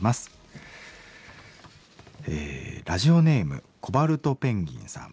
ラジオネームコバルトペンギンさん。